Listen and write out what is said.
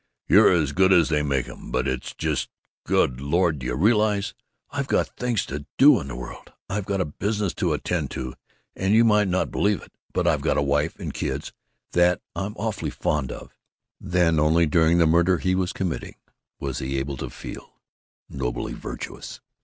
You're as good as they make 'em. But it's just Good Lord, do you realize I've got things to do in the world? I've got a business to attend to and, you might not believe it, but I've got a wife and kids that I'm awful fond of!" Then only during the murder he was committing was he able to feel nobly virtuous.